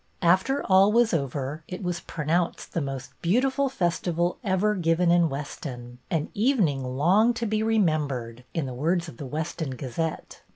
After all was over it was pronounced the most beautiful festival ever given in Weston, an " evening long to be remembered," in the words of The Weston Gazette.